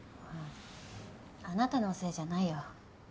あなたのせいじゃないよ。